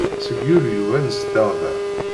Seg Yulyu ay nezdeɣ da.